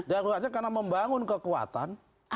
daruratnya karena membangun kekuatan